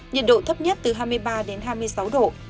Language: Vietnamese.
nhiệt độ thấp nhất từ hai mươi ba đến hai mươi sáu độ